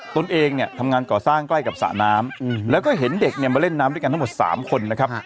ตัวเองเนี่ยทำงานก่อสร้างใกล้กับสระน้ำแล้วก็เห็นเด็กเนี่ยมาเล่นน้ำด้วยกันทั้งหมด๓คนนะครับ